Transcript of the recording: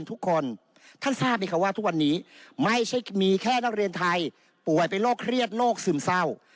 ทุกวันนี้ไม่ใช่มีแค่นักเรียนไทยป่วยเป็นโรคเครียดโรคซึมเศร้า